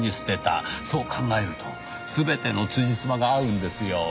そう考えると全てのつじつまが合うんですよ。